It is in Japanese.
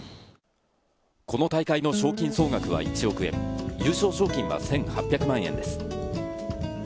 この大会の賞金総額は１億円、優勝賞金は１８００万円です。